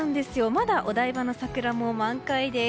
まだ、お台場の桜も満開です。